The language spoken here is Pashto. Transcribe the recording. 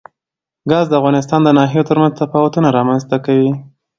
ګاز د افغانستان د ناحیو ترمنځ تفاوتونه رامنځ ته کوي.